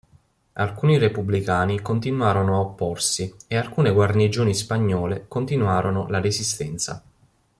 Alcuni repubblicani continuarono a opporsi e alcune guarnigioni spagnole continuarono la resistenza.